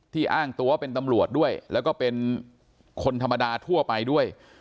อ้างตัวเป็นตำรวจด้วยแล้วก็เป็นคนธรรมดาทั่วไปด้วย